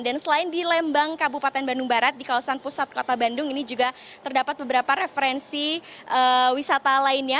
dan selain di lembang kabupaten bandung barat di kawasan pusat kota bandung ini juga terdapat beberapa referensi wisata lainnya